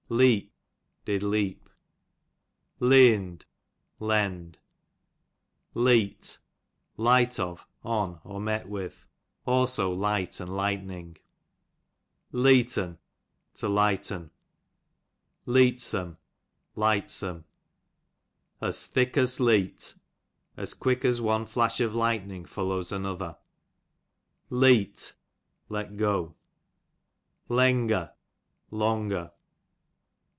Leep, did leap. Leeond, lend. Leet, light of on, or met with ; light and lightning. 78 THE GL068ARY. iVf Lee(fn, to lighten. Leettmin, lightsome, Ob thick os Leet, as quick as one flash of lightning /o/ lows another. Leete, let go, Lenger, longer.